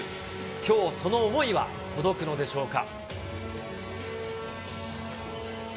きょう、その思いは届くのでしょうか。